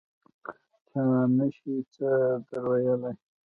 چا نه شي څه در ویلای.